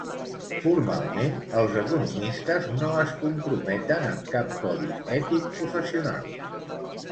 Formalment, els economistes no es comprometen amb cap codi ètic professional.